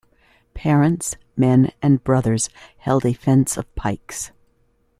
Parents, men and brothers held a fence of pikes.